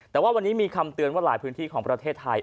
แต่ว่าวันนี้มีคำเตือนว่าหลายพื้นที่ของประเทศไทย